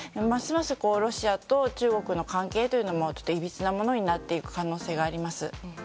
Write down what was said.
ますますロシアと中国の関係というのがいびつなものになっていく可能性があります。